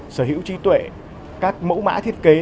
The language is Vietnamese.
sở hữu trí tuệ các mẫu mã thiết kế